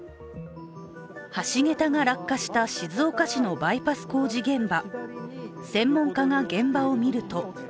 橋桁が落下した静岡市のバイパス工事現場。